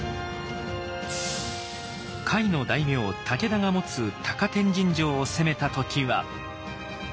甲斐の大名武田が持つ高天神城を攻めた時は。